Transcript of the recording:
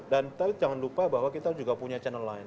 tapi jangan lupa bahwa kita juga punya channel lain